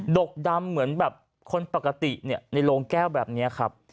กกดำเหมือนแบบคนปกติในโรงแก้วแบบนี้ครับ